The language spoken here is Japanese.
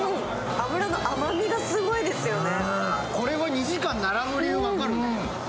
脂の甘みがすごいですよね。